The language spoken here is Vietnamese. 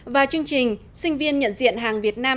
và chương trình sinh viên nhận diện hàng việt nam